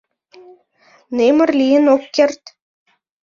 — Немыр лийын ок керт.